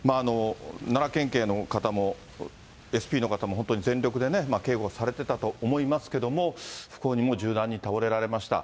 奈良県警の方も、ＳＰの方も、本当に全力でね、警護はされてたと思いますけれども、不幸にも銃弾に倒れられました。